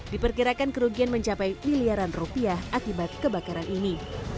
diperkirakan kerugian mencapai miliaran rupiah akibat kebakaran ini